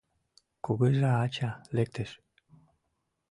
Кугыжа-ача лектеш